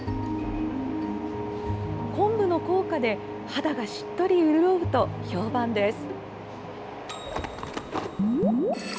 こんぶの効果で肌がしっとり潤うと評判です。